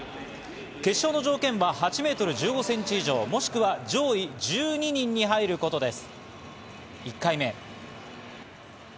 決勝の条件は、８ｍ１５ｃｍ以上、もしくは上位１２人に入ることです。